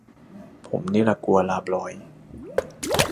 ผมนี่ล่ะกลัวลาบลอย